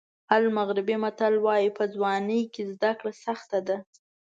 المغربي متل وایي په ځوانۍ کې زده کړه سخته ده.